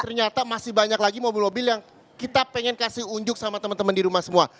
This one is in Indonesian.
ternyata masih banyak lagi mobil mobil yang kita pengen kasih unjuk sama teman teman di rumah semua